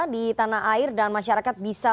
di tanah air dan masyarakat bisa